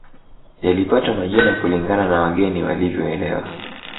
Yalipata majina kulingana na wageni walivyoelewa